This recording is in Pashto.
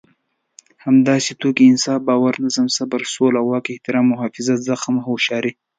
همداسې ټوکې، انصاف، باور، نظم، صبر، سوله، واک، احترام، محافظت، زغم او هوښياري.